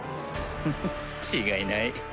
フフ違いない。